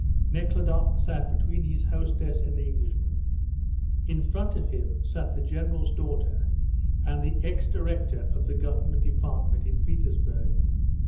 Nekhludoff sat between his hostess and the Englishman. In front of him sat the General's daughter and the ex director of the Government department in Petersburg.